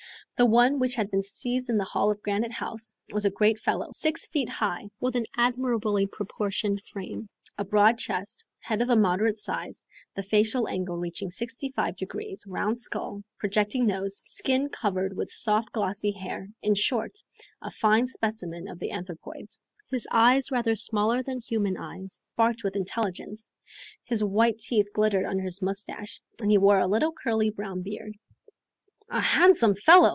The one which had been seized in the hall of Granite House was a great fellow, six feet high, with an admirably poportioned frame, a broad chest, head of a moderate size, the facial angle reaching sixty five degrees, round skull, projecting nose, skin covered with soft glossy hair, in short, a fine specimen of the anthropoids. His eyes, rather smaller than human eyes, sparkled with intelligence; his white teeth glittered under his mustache, and he wore a little curly brown beard. "A handsome fellow!"